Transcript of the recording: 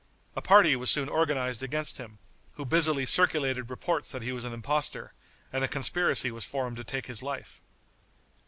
A party was soon organized against him, who busily circulated reports that he was an impostor, and a conspiracy was formed to take his life.